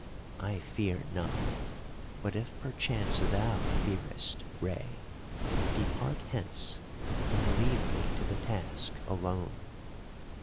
I fear not, but if perchance thou fearest, Rei, depart hence and leave me to the task alone.